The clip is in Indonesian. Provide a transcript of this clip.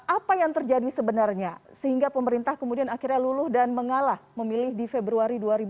apa yang terjadi sebenarnya sehingga pemerintah kemudian akhirnya luluh dan mengalah memilih di februari dua ribu dua puluh